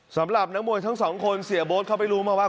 สำหรับนักมวยทั้งสองคนเสียโบ๊ทเขาไปรู้มาว่า